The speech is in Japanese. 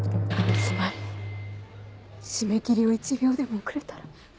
つまり締め切りを１秒でも遅れたら。